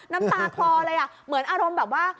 น้ำตาคลอเลยอ่ะเหมือนอารมณ์แบบว่า